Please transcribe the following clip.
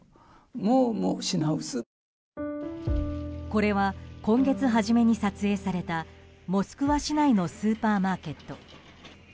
これは、今月初めに撮影されたモスクワ市内のスーパーマーケット。